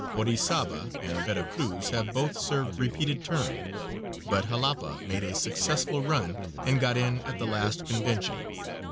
Orizaba and Vera Cruz have both served repeated terms, but Jalapa made a successful run and got in at the last convention.